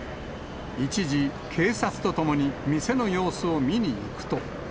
一時、警察とともに店の様子を見に行くと。